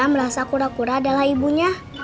merasa kura kura adalah ibunya